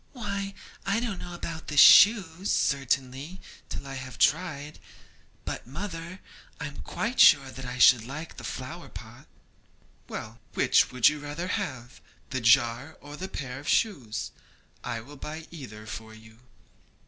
'Why, I don't know about the shoes, certainly, till I have tried; but, mother, I am quite sure that I should like the flower pot.' 'Well, which would you rather have that jar or a pair of shoes? I will buy either for you.'